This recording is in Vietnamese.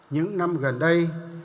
những năm gần đây